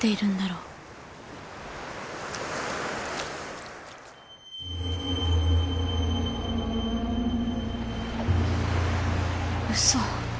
うそ。